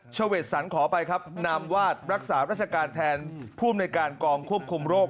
เวทสันขออภัยครับนามวาดรักษาราชการแทนผู้อำนวยการกองควบคุมโรค